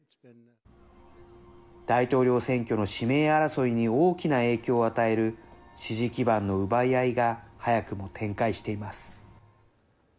大統領選挙の指名争いに大きな影響を与える支持基盤の奪い合いが早くも展開しています。